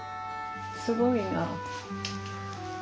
すごいなぁ。